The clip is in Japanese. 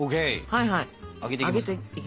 はいはい上げていきますよ。